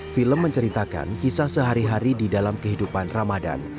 film menceritakan kisah sehari hari di dalam kehidupan ramadan